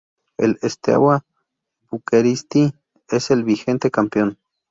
El Steaua București es el vigente campeón.